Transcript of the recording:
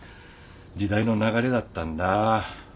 時代の流れだったんだ。